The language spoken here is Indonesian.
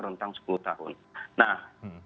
rentang sepuluh tahun nah